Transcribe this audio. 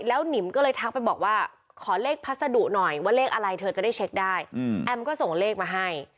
แล้วนิมก็เลยทักไปบอกว่าขอเลขพัสดุหน่อยว่าเลขอะไรเธอจะได้เช็คได้แอมก็ส่งเลขมาให้